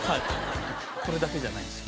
これだけじゃないんですよ。